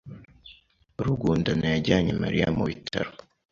Rugundana yajyanye Mariya mu bitaro.